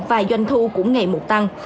và doanh thu cũng ngày một tăng